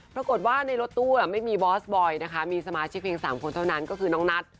ปรากฏว่าในรถตู้ไม่มีบอสบอยนะคะมีสมาชิกเพียง๓คนเท่านั้นก็คือน้องนัท